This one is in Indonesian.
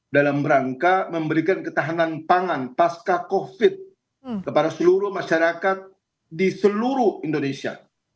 dalam rangka memberikan ketahanan pangan pasca covid kepada seluruh masyarakat di seluruh indonesia